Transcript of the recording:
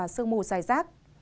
sơn mù dài rác